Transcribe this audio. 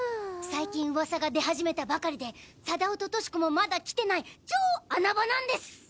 最近ウワサが出はじめたばかりでサダオとトシコもまだ来てない超穴場なんです！